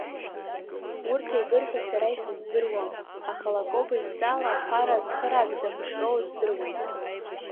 Урҭ еибырҳәоз сара исыздыруам, аха Лакоба идҵала аԥаратә цхыраагӡақәа шроуаз здыруеит.